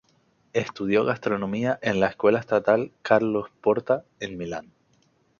Estudió gastronomía en la escuela estatal Carlo Porta, en Milán.